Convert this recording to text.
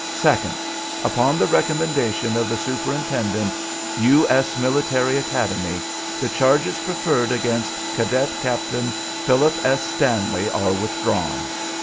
"Second. Upon the recommendation of the Superintendent U. S. Military Academy, the charges preferred against Cadet Captain Philip S. Stanley are withdrawn.